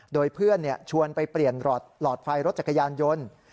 โดยเพื่อนชวนไปเปลี่ยนหลอดไฟรถจักรยานยนต์